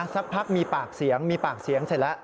สักพักมีปากเสียงมีปากเสียงเสร็จแล้ว